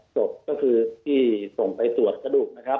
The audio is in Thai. ส่วนก็คือที่ส่งไปสวดกระดูกนะครับ